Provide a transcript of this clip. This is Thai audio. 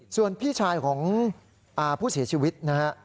ส่วนพี่ชายของผู้เสียชีวิตนะฮะ